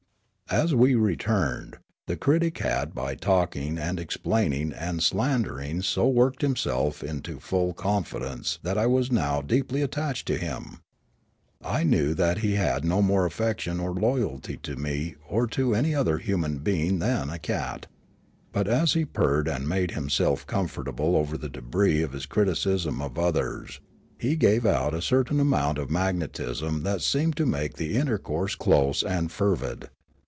As we returned, the critic had by talking and ex plaining and slandering so worked himself into full con fidence that I was now deeply attached to him. I knew that he had no more affection or loyalty to me or to any other human being than a cat. But, as he purred and made himself comfortable over the debris of his criticism of others, he gave out a certain amount of magnetism that seemed to make the intercourse close and fervid.